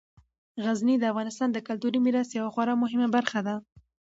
غزني د افغانستان د کلتوري میراث یوه خورا مهمه برخه ده.